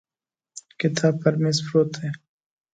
کتاب پر مېز پروت دی.